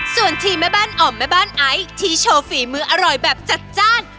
ส่วนทีมแม่บ้านอ่อมแม่บ้านไอซ์ที่โชว์ฝีมืออร่อยแบบจัดจ้าน